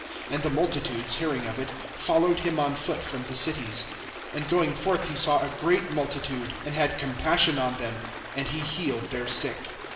And the multitudes hearing of it, followed him on foot from the cities. (14)And going forth he saw a great multitude, and had compassion on them, and he healed their sick.